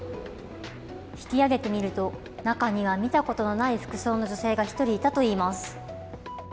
引き上げてみると中には見たことのない服装の女性が１人いたといいます。